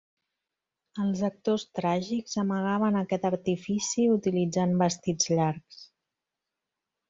Els actors tràgics amagaven aquest artifici utilitzant vestits llargs.